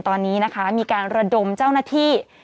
ตอนนี้นะคะมีการระดมเจ้าหน้าที่